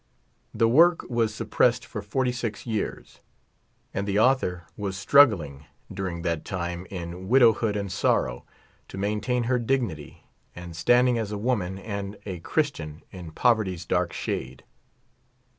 The work was suppressed for forty six years ; and tlie author was strug gling during that time in widowhood and sorrow to main tain her dignity and standing as a woman and a Christian in povert3^'s dark shade.